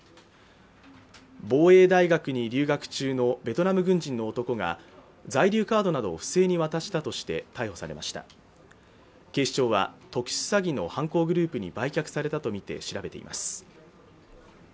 防衛大学に留学中のベトナム軍人の男が在留カードなどを不正に渡したとして逮捕されました警視庁は特殊詐欺の犯行グループに売却されたとみて調べています